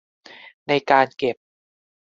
ในการเก็บ